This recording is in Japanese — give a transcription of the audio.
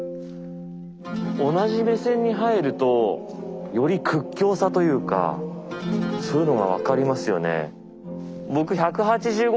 同じ目線に入るとより屈強さというかそういうのが分かりますよね。